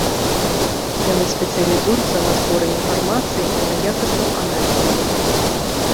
Яны спецыялізуюцца на зборы інфармацыі і на якасным аналізе яе.